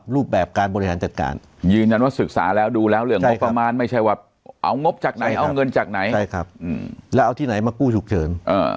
แล้วเอาที่ไหนมากู้ฉุกเฉิน